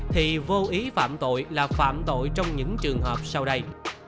thì vô ý phạm tội là phạm tội trong những trường hợp sau đây